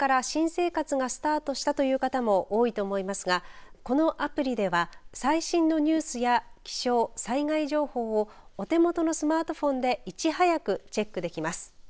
今月から新生活がスタートしたという方も多いと思いますがこのアプリでは最新のニュースや気象、災害情報をお手元のスマートフォンでいち早くチェックできます。